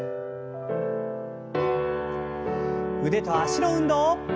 腕と脚の運動。